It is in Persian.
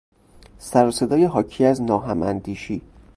سر و صدای حاکی از ناهماندیشی